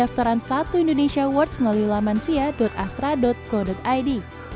dapat melakukan pendaftaran satu indonesia awards melalui lamansia astra co id